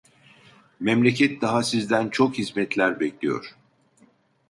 Memleket daha sizden çok hizmetler bekliyor.